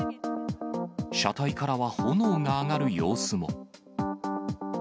車体からは炎が上がる様子も。